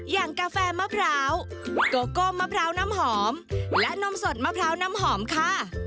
กาแฟมะพร้าวโกโก้มะพร้าวน้ำหอมและนมสดมะพร้าวน้ำหอมค่ะ